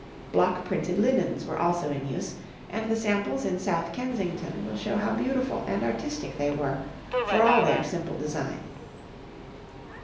Block printed linens were also in use, and the samples in South Kensington will show how beautiful and artistic they were, for all their simple design.